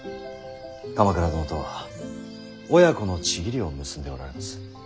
鎌倉殿とは親子の契りを結んでおられます。